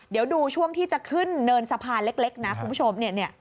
เดี๋ยวดูช่วงที่จะขึ้นเนินสะพานเล็กนะคุณผู้ชม